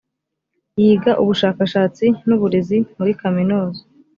yiga ubushakashatsi n uburezi muri kaminuza